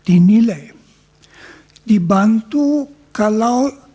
ini juga membantu jika